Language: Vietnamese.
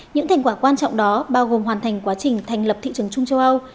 những thành quả quan trọng đó bao gồm hoàn thành quá trình thành lập thị trường chung châu âu